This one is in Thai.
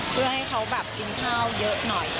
เพื่อให้เขาแบบกินข้าวเยอะหน่อย